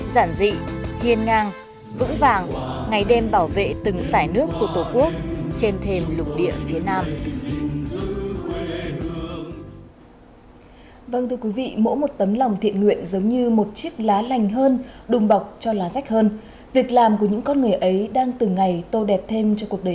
giản dị hiên ngang vững vàng ngày đêm bảo vệ từng giải nước của tổ quốc trên thềm lục địa việt nam